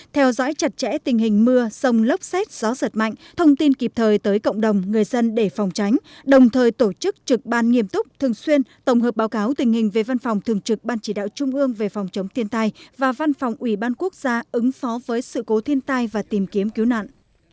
theo dõi chặt chẽ tình hình mưa sông lốc xét gió giật mạnh thông tin kịp thời tới cộng đồng người dân để phòng tránh đồng thời tổ chức trực ban nghiêm túc thường xuyên tổng hợp báo cáo tình hình về văn phòng thường trực ban chỉ đạo trung ương về phòng chống thiên tai và văn phòng ủy ban quốc gia ứng phó với sự cố thiên tai và tìm kiếm cứu nạn